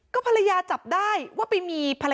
ก็ภรรยาจับได้ว่าไปมี